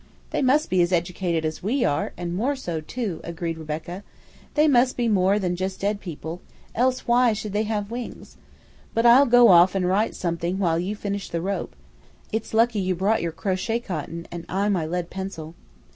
"They must be as educated as we are, and more so, too," agreed Rebecca. "They must be more than just dead people, or else why should they have wings? But I'll go off and write something while you finish the rope; it's lucky you brought your crochet cotton and I my lead pencil."